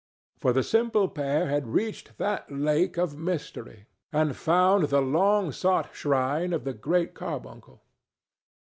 For the simple pair had reached that lake of mystery and found the long sought shrine of the Great Carbuncle.